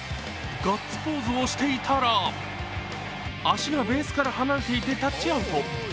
ガッツポーズをしていたら足がベースから離れていてタッチアウト。